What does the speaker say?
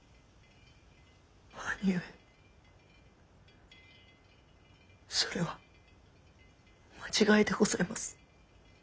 兄上それは間違いでございます。